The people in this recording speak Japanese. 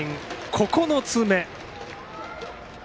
９つ目。